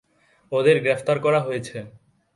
ওদের গ্রেফতার করা হয়েছে।